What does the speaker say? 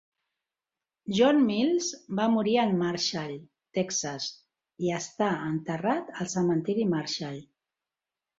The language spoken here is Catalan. John Mills va morir en Marshall, Texas, i està enterrat al cementiri Marshall.